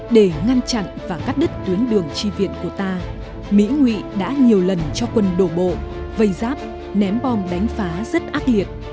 để ngăn chặn và cắt đứt tuyến đường tri viện của ta mỹ nguyện đã nhiều lần cho quân đổ bộ vây giáp ném bom đánh phá rất ác liệt